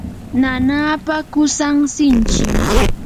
nanaapa qusan sinchim.